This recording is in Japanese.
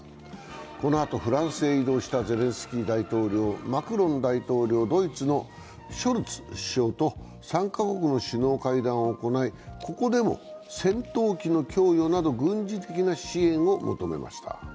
このあと、フランスへ移動したゼレンスキー大統領、マクロン大統領、ドイツのショルツ首相と３か国の首脳会談を行い、ここでも戦闘機の供与など軍事的な支援を求めました。